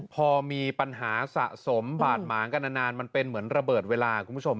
พอมีปัญหาสะสมบาดหมางกันนานมันเป็นเหมือนระเบิดเวลาคุณผู้ชม